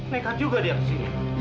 nekat juga dia di sini